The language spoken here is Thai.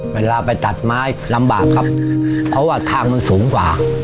เวลาไปตัดไม้ลำบากครับเพราะว่าทางมันสูงกว่า